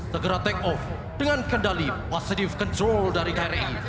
segera take off dengan kendali positive control dari kri